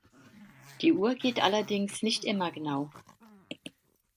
Die Uhr geht allerdings nicht immer genau.